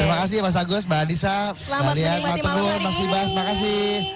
terima kasih mas agus mbak nisa mbak alia mbak tunggu mas iba terima kasih